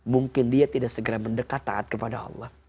mungkin dia tidak segera mendekat taat kepada allah